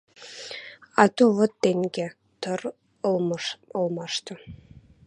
Ато вот тенге. Тыр ылмашты